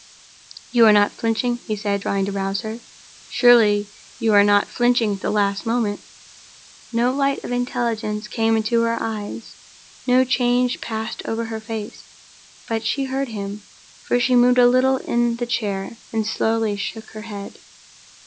"You are not flinching," he said, trying to rouse her. "Surely you are not flinching at the last moment?" No light of intelligence came into her eyes, no change passed over her face. But she heard him—for she moved a little in the chair, and slowly shook her head.